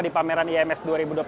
di pameran ims dua ribu dua puluh tiga